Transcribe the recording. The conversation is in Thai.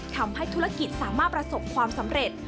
ทำให้ธุรกิจสามารถประสบความสำเร็จ